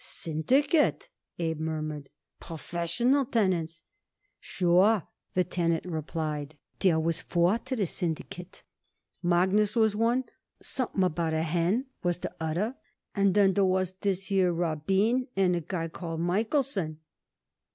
"Syndicate?" Abe murmured. "Professional tenants?" "Sure," the tenant replied. "Dere was four to de syndicate. Magnus was one. Sumpin about a hen was de other, and den dere was dis here Rabin and a guy called Michaelson."